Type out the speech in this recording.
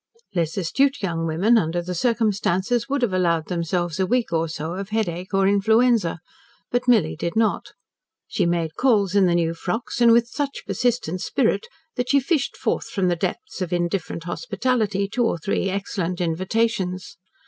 Less astute young women, under the circumstances, would have allowed themselves a week or so of headache or influenza, but Milly did not. She made calls in the new frocks, and with such persistent spirit that she fished forth from the depths of indifferent hospitality two or three excellent invitations.